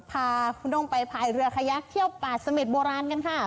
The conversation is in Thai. พาคุณด้งไปพายเรือขยักเที่ยวป่าเสม็ดโบราณกันค่ะ